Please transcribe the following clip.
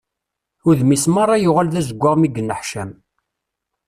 Udem-is merra yuɣal d azewwaɣ mi yenneḥcam.